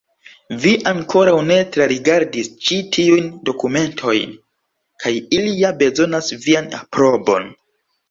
Vi ankoraŭ ne trarigardis ĉi tiujn dokumentojn, kaj ili ja bezonas vian aprobon.